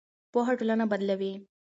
پوهه ټولنه بدلوي.